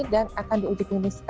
dan akan diuji klinis